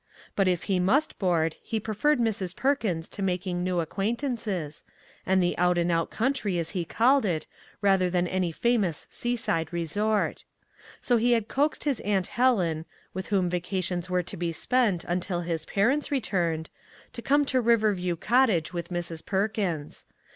But 193 MAG AND MARGARET if he must board, he preferred Mrs. Perkins to making new acquaintances, and the out and out country, as he called it, rather than any famous seaside resort. So he had coaxed his Aunt Helen, with whom vacations were to be spent until his parents returned, to come to River view Cottage with Mrs. Perkins.